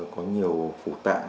có nhiều phủ tạng